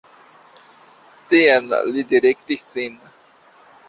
Tien li direktis sin.